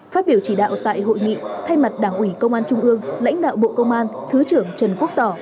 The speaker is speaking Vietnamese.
phát biểu chỉ đạo tại hội nghị thay mặt đảng ủy công an trung ương lãnh đạo bộ công an thứ trưởng trần quốc tỏ